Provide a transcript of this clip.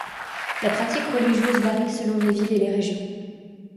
La pratique religieuse varie selon les villes et les régions.